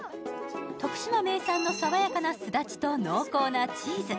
徳島名産のさわやかなすだちと濃厚なチーズ。